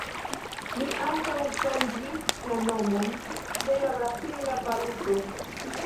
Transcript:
Li ankaŭ ŝanĝis la nomon de la brazila valuto.